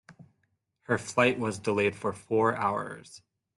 Her flight was delayed for four hours.